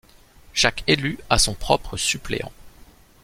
Chaque élu a son propre suppléant.